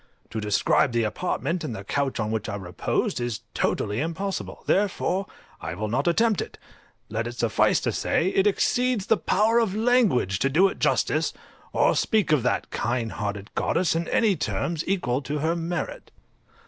To describe the apartment, and the couch on which I reposed, is totally impossible, therefore I will not attempt it; let it suffice to say, it exceeds the power of language to do it justice, or speak of that kind hearted goddess in any terms equal to her merit.